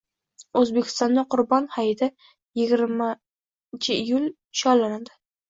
O‘zbekistonda Qurbon hayitiyigirmaiyul kuni nishonlanadi